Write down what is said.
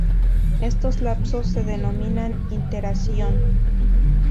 Estos lapsos se denominan "Iteración".